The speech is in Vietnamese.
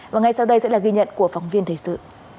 và ngay sau đây sẽ là ghi nhận của phóng viên thời sự